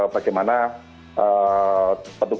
bagaimana petugas terbuka